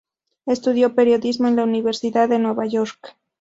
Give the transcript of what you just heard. Estudió periodismo en la Universidad de Nueva York.